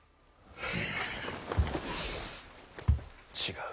違う。